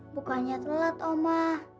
bukannya telat om ma